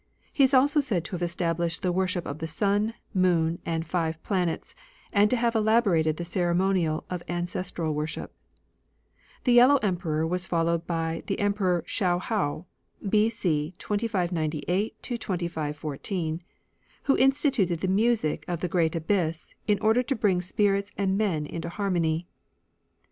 He is also said to have established the worship of the sun, moon, and five planets, and to have elaborated the ceremonial of ancestral worship. . The Yellow Emperor was followed Father, ^7 the Emperor Shao Hao, B.C. Earth the 2598 2614, " who instituted the music notiier* of the Great Abjrss in order to bring spirits and men into harmony."